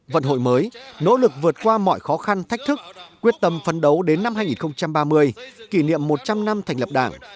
vận hội mới nỗ lực vượt qua mọi khó khăn thách thức quyết tâm phấn đấu đến năm hai nghìn ba mươi kỷ niệm một trăm linh năm thành lập đảng